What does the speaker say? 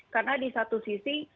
karena di satu sisi